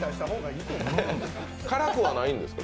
辛くはないんですか？